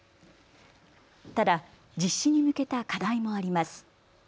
ただ実施に向けた課題もあります。